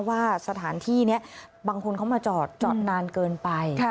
ว่าสถานที่นี้บางคนเขามาจอดจอดนานเกินไป